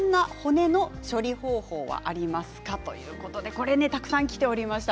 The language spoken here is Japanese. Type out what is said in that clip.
これはたくさんきていました。